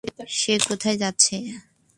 সে কোথায় যাচ্ছে?